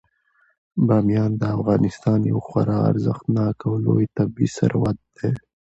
بامیان د افغانستان یو خورا ارزښتناک او لوی طبعي ثروت دی.